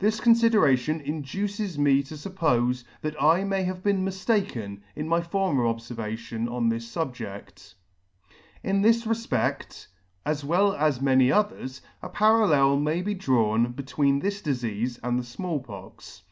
This confideration induces me to fuppofe that I may have been miftaken in my former obfervation on this fubje6fc In this refpect, as well as many others, a parallel may be drawn between this difeafe and the Small Pox.